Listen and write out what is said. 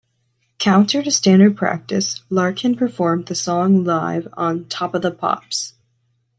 Counter to standard practice, Larkin performed the song live on "Top of the Pops".